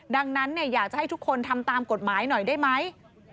ดังนั้นอยากจะให้ทุกคนทำตามกฎหมายหน่อยได้ไหม